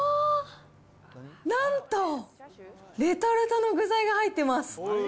なんと、レトルトの具材が入ってます。